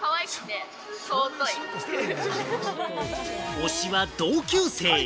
推しは同級生。